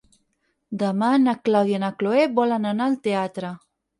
Demà na Clàudia i na Cloè volen anar al teatre.